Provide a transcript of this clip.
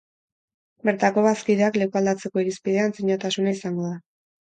Bertako bazkideak lekualdatzeko irizpidea antzinatasuna izango da.